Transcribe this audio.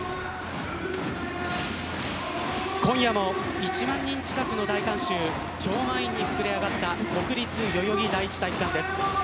今夜も１万人近くの大観衆超満員に膨れ上がった国立代々木第一体育館です。